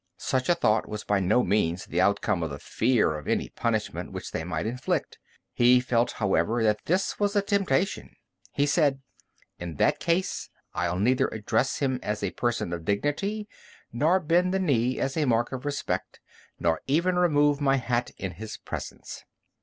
Such a thought was by no means the outcome of the fear of any punishment which they might inflict. He felt, however, that this was a temptation; he said, "In that case I'll neither address him as a person of dignity, nor bend the knee as a mark of respect, nor even remove my hat in his presence."